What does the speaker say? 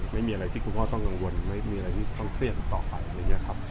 ไม่มีอะไรที่คุณพ่อต้องกังวลไม่มีอะไรที่ต้องเปลี่ยนต่อไป